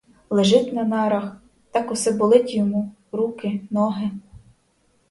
Лежить на нарах, так усе болить йому, руки, ноги.